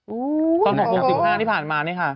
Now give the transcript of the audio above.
อู้วตอน๖บน๑๕นี่ผ่านมานี่ค่ะ